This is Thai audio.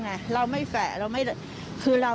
ใช่ค่ะถ่ายรูปส่งให้พี่ดูไหม